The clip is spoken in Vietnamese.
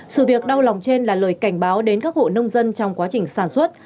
sự việc đau lòng trên là lời cảnh báo đến các hộ nông dân trong quá trình sản xuất